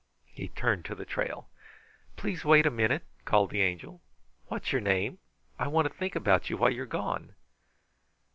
He turned to the trail. "Please wait a minute," called the Angel. "What's your name? I want to think about you while you are gone."